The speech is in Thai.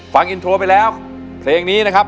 ฟังอินโทรไปแล้วเพลงนี้นะครับ